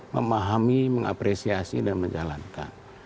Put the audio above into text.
memahami mengapresiasi dan menjalankan